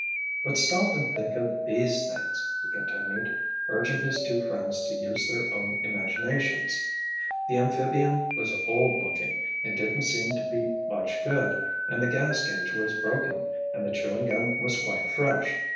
"But stop and think of these things," he continued, urging his two friends to use their own imaginations. "The amphibian was old looking and didn't seem to be much good, and the gas gauge was broken, and the chewing gum was quite fresh.